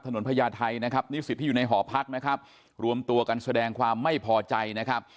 พญาไทยนะครับนิสิตที่อยู่ในหอพักนะครับรวมตัวกันแสดงความไม่พอใจนะครับ